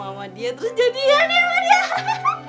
sama dia terus jadian ya sama dia